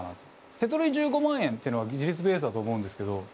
「手取り１５万円」っていうのは技術ベースだと思うんですけど。